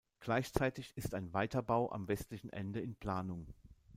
Gleichzeitig ist ein Weiterbau am westlichen Ende in Planung.